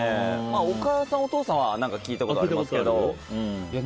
お母さん、お父さんは聞いたことありますけど。